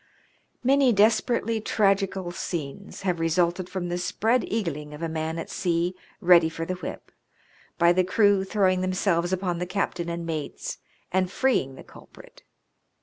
Many desperately tragical scenes have resulted from the " spread eagling " of a man at sea ready for the whip, by the crew throwing themselves upon the captain and mates, and freeing the culprit.